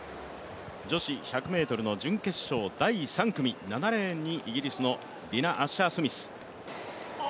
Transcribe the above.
女子１００ｍの準決勝第３組、７レーンにイギリスのディナ・アッシャー・スミス。